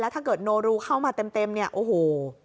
ถ้าเกิดโนรูเข้ามาเต็มเนี่ยโอ้โห